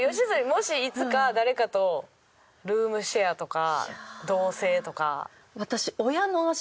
もしいつか誰かとルームシェアとか同棲とか。